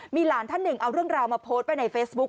มีหลานท่านหนึ่งเอาเรื่องราวมาโพสต์ไว้ในเฟซบุ๊ค